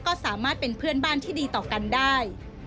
ก็สามารถเป็นเพื่อนบ้านที่ดีต่อกันได้